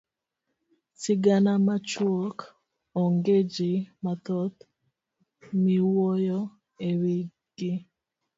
sigana machuok onge jii mathoth miwuyo ewigi.